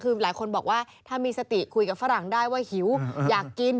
คือหลายคนบอกว่าถ้ามีสติคุยกับฝรั่งได้ว่าหิวอยากกิน